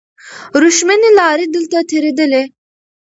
وریښمینې لارې دلته تېرېدلې.